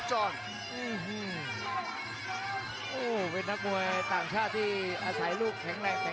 แชลเบียนชาวเล็ก